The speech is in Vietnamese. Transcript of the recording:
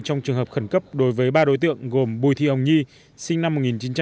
trong trường hợp khẩn cấp đối với ba đối tượng gồm bùi thị hồng nhi sinh năm một nghìn chín trăm tám mươi